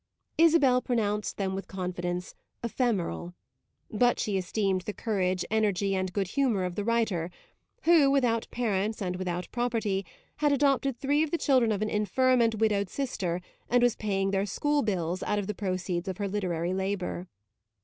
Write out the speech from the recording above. Isabel pronounced them with confidence "ephemeral," but she esteemed the courage, energy and good humour of the writer, who, without parents and without property, had adopted three of the children of an infirm and widowed sister and was paying their school bills out of the proceeds of her literary labour.